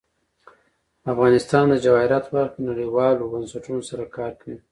افغانستان د جواهرات په برخه کې نړیوالو بنسټونو سره کار کوي.